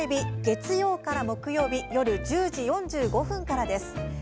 月曜から木曜夜１０時４５分からです。